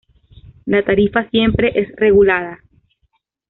La tarifa siempre es regulada.